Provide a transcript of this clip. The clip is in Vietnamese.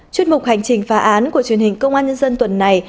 chuyên mục hành trình phá án của truyền hình công an nhân dân tuần này